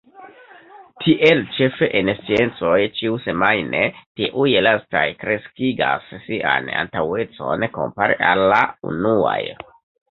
Tiel ĉefe en sciencoj ĉiusemajne tiuj lastaj kreskigas sian antaŭecon kompare al la unuaj.